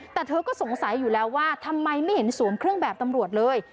แต่เธอก็สงสัยอยู่แล้วว่าทำไมไม่เห็นสวมเครื่องแบบตำรวจเลย